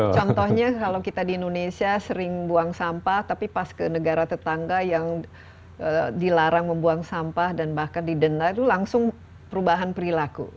contohnya kalau kita di indonesia sering buang sampah tapi pas ke negara tetangga yang dilarang membuang sampah dan bahkan didenda itu langsung perubahan perilaku